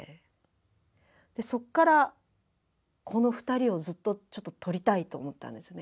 そっからこの２人をずっとちょっと撮りたいと思ったんですよね。